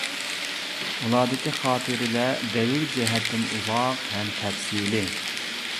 ئۇلاردىكى خاتىرىلەر دەۋر جەھەتتىن ئۇزاق ھەم تەپسىلىي.